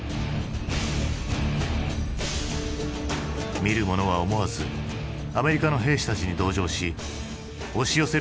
見る者は思わずアメリカの兵士たちに同情し押し寄せる